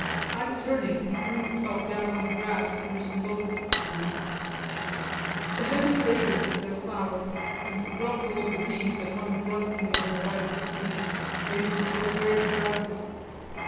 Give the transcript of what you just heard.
At a turning he threw himself down on the grass under some locust trees. The heavy fragrance of their flowers and the grumbling of the bees that hung drunkenly on the white racemes made him feel very drowsy.